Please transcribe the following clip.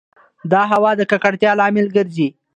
د هــوا د ککــړتـيـا لامـل ګـرځـي